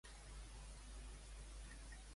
Què en comenten tretze de les mencions?